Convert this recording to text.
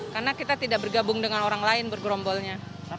karena kita tidak bergabung dengan orang lain bergerombolnya